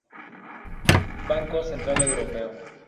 Banco Central Europeo